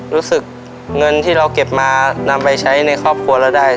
รู้สึกเงินที่เราเก็บมานำไปใช้ในครอบครัวเราได้